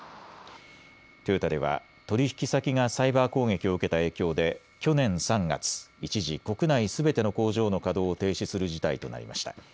トヨタでは取引先がサイバー攻撃を受けた影響で去年３月、一時、国内すべての工場の稼働を停止する事態となりました。